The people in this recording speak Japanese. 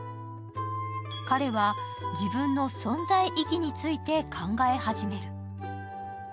彼は自分の存在意義について考え始める。